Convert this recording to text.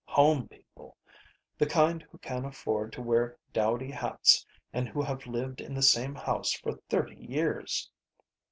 Home people. The kind who can afford to wear dowdy hats and who have lived in the same house for thirty years."